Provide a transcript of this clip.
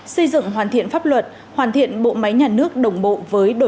xây dựng hoàn thiện pháp luật hoàn thiện bộ máy nhà nước đồng bộ